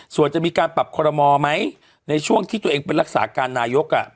ส่วนจะมีการปรับคอรมอไหมในช่วงที่ตัวเองเป็นรักษาการนายก